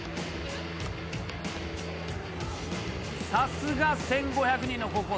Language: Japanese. さすが１，５００人の高校。